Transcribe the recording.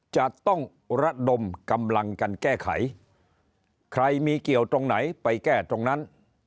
จะต้องระดมกำลังกันแก้ไขใครมีเกี่ยวตรงไหนไปแก้ตรงนั้น